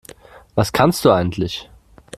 Was kannst du eigentlich?